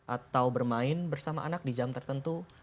atau bermain bersama anak di jam tertentu